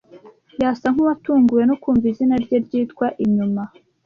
Yasa nkuwatunguwe no kumva izina rye ryitwa inyuma.